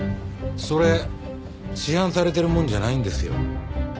それ市販されてるものじゃないんですよ。